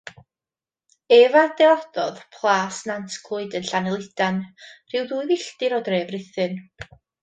Ef a adeiladodd Plas Nantclwyd yn Llanelidan, rhyw ddwy filltir o dref Rhuthun.